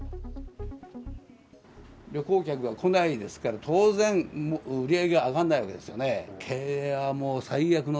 旅行客が来ないですから、当然、売り上げが上がらないわけですよね。